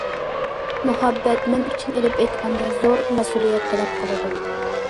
مۇھەببەت مەن ئۈچۈن ئېلىپ ئېيتقاندا زور مەسئۇلىيەت تەلەپ قىلىدۇ.